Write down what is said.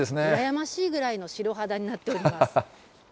羨ましいぐらいの白肌になっております。